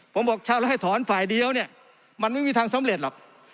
ผมบอกชาวแล้วให้ถอนฝ่ายเดียวเนี่ยมันไม่มีทางสำเร็จหรอก